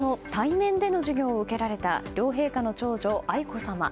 今日、学習院大学で念願の対面での授業を受けられた両陛下の長女・愛子さま。